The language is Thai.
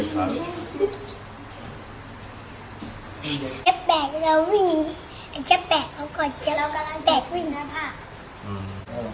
แปลกเราวิ่งอ่ะจะแปลกเขาก่อนจะเรากำลังแตกวิ่งนะพ่ออืม